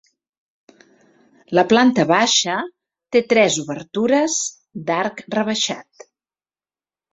La planta baixa té tres obertures d'arc rebaixat.